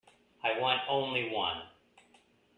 I want only one.